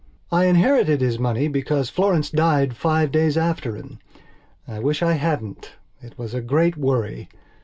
I inherited his money because Florence died five days after him. I wish I hadn't. It was a great worry.